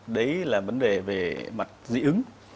đấy là vấn đề về mặt dị ứng